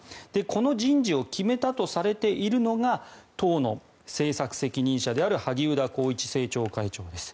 この人事を決めたとされているのが党の政策責任者である萩生田光一政調会長です。